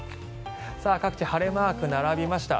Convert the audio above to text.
各地、晴れマークが並びました。